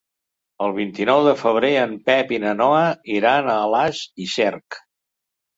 El vint-i-nou de febrer en Pep i na Noa iran a Alàs i Cerc.